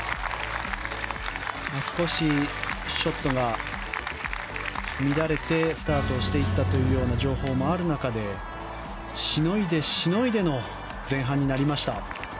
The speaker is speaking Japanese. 少しショットが乱れてスタートをしていったという情報もある中でしのいで、しのいでの前半になりました。